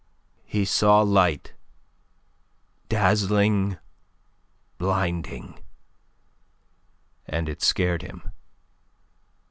He saw light, dazzling, blinding, and it scared him.